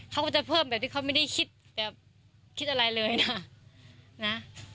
เขาก็จะเพิ่มแบบที่เขาไม่ได้คิดแบบคิดอะไรเลยนะ